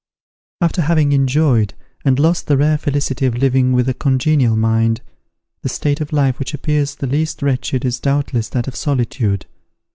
After having enjoyed, and lost the rare felicity of living with a congenial mind, the state of life which appears the least wretched is doubtless that of solitude.